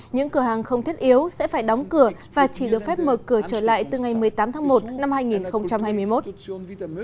những cửa hàng không thiết yếu sẽ phải đóng cửa và chỉ được phép mở cửa trở lại từ ngày một mươi tám tháng một năm hai nghìn hai mươi một